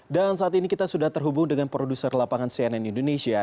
dan saat ini kita sudah terhubung dengan produser lapangan cnn indonesia